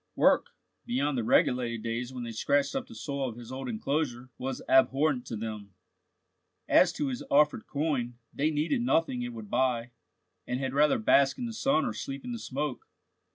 Work, beyond the regulated days when they scratched up the soil of his old enclosure, was abhorrent to them. As to his offered coin, they needed nothing it would buy, and had rather bask in the sun or sleep in the smoke.